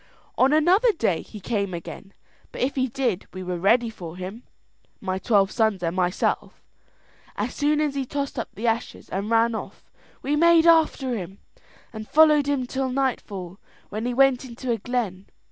"On another day he came again; but if he did, we were ready for him, my twelve sons and myself. As soon as he tossed up the ashes and ran off, we made after him, and followed him till nightfall, when he went into a glen.